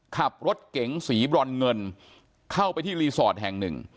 ขับรถเก๋งสีบรอนเงินเข้าไปที่รีสอร์ทแห่งหนึ่ง